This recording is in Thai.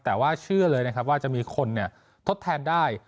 แต่ว่าเชื่อเลยนะครับว่าจะมีคนทดแทนได้